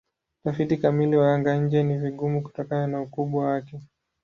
Utafiti kamili wa anga-nje ni vigumu kutokana na ukubwa wake.